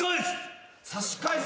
さし返す。